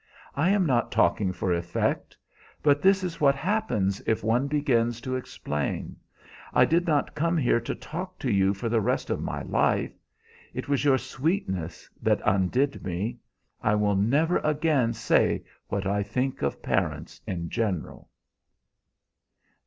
I am not talking for effect. But this is what happens if one begins to explain. I did not come here to talk to you for the rest of my life! It was your sweetness that undid me. I will never again say what I think of parents in general."